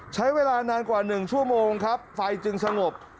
ใช้เวลานานกว่า๑ชั่วโมงครับไฟจึงสงบ